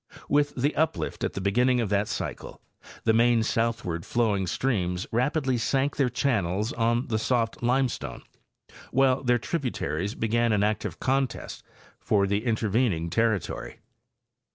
With the uplift at the beginning of that cycle the main southward flowing streams rapidly sank their channels on the soft limestone, while their tributaries began an active contest for the intervening territory.